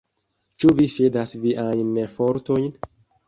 Ĉu vi fidas viajn fortojn?